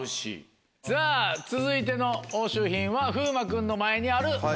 さぁ続いての押収品は風磨君の前にあるものです。